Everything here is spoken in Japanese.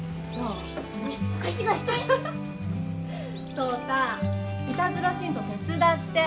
颯太いたずらしんと手伝って。